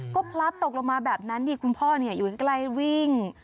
ก็พลัดตกลงมาแบบนั้นดิคุณพ่ออยู่ใกล้วิ่ง